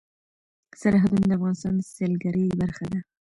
سرحدونه د افغانستان د سیلګرۍ برخه ده.